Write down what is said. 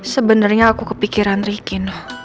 sebenarnya aku kepikiran rikin